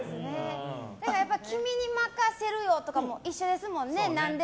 やっぱ、君に任せるよとかも一緒ですもんね。